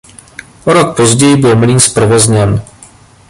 O rok později byl mlýn zprovozněn.